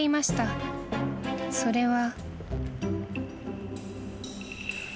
［それは］